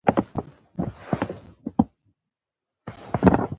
په افغانستان کې د تاریخ په اړه په پوره ډول زده کړه کېږي.